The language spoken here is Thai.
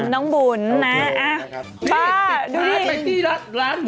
น้องบุ๋น